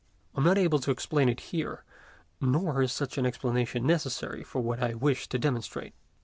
I am not able to explain it here, nor is such an explanation necessary for what I wish to demonstrate.